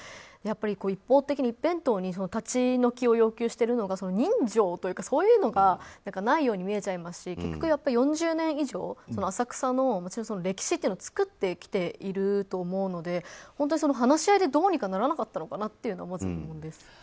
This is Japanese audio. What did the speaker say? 一方的に一辺倒に立ち退きを要求しているのが人情というか、そういうのがないように見えちゃいますし結局、４０年以上浅草の歴史っていうのを作ってきていると思うので本当に話し合いでどうにかならなかったのかなというのはまず疑問です。